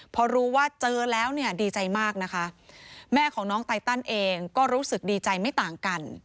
พอรู้ว่าเจอแล้วเนี่ยดีใจมากนะคะแม่ของน้องไตตันเองก็รู้สึกดีใจไม่ต่างกัน